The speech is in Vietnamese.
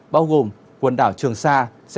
bao gồm quần đảo trường sa